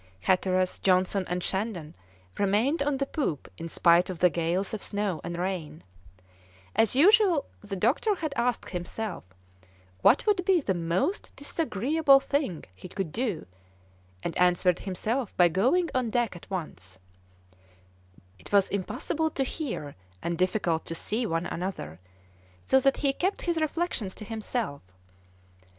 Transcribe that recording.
Hatteras, Johnson, and Shandon remained on the poop in spite of the gales of snow and rain; as usual the doctor had asked himself what would be the most disagreeable thing he could do, and answered himself by going on deck at once; it was impossible to hear and difficult to see one another, so that he kept his reflections to himself.